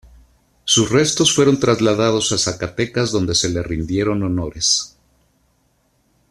Sus restos fueron trasladados a Zacatecas donde se le rindieron honores.